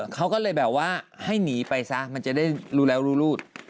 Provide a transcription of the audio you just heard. เขาก็เลยแบบว่าให้หนีไปซะมันจะได้รู้แล้วรู้รูด